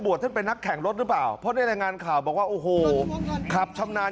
ท่านเป็นนักแข่งรถหรือเปล่าเพราะในรายงานข่าวบอกว่าโอ้โหขับชำนาญ